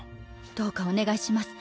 どうかお願いします。